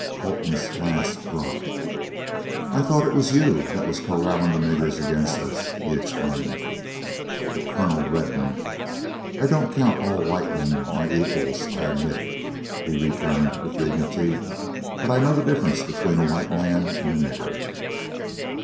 Colton's glass dropped. "I thought it was you that was corralling the niggers against us," he exclaimed. The Colonel reddened. "I don't count all white men my equals, I admit," he returned with dignity, "but I know the difference between a white man and a nigger."